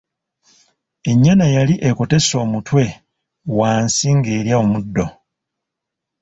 Ennyana yali ekotese omutwe wansi nga’erya omuddo.